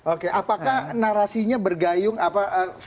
oke apakah narasinya bergayung apa